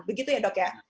begitu ya dok ya